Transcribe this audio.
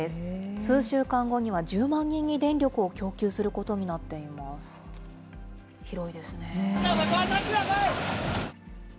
数週間後には１０万人に電力を供給することになっています。